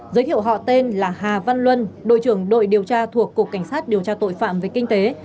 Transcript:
giới thiệu họ tên là hà văn luân đội trưởng đội điều tra thuộc cục cảnh sát điều tra tội phạm về kinh tế